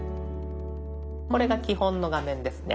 これが基本の画面ですね。